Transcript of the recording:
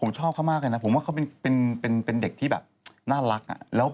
ผมชอบเขามากเลยนะผมว่าเขาเป็นเด็กที่แบบน่ารัก